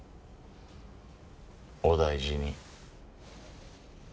お大事に。